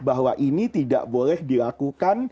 bahwa ini tidak boleh dilakukan